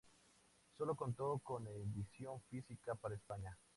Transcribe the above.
Solo contó con edición física para España.